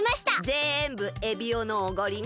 ぜんぶエビオのおごりね！